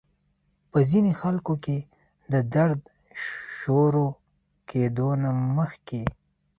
پۀ ځينې خلکو کې د درد شورو کېدو نه مخکې